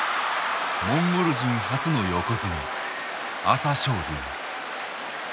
モンゴル人初の横綱朝青龍。